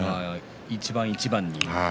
一番一番に？